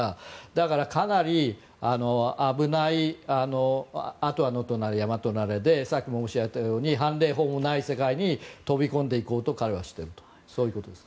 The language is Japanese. だから、かなり危ないあとは野となれ山となれでさっきも申し上げたように判例法もない世界に飛び込んでいこうと彼はしているとそういうことです。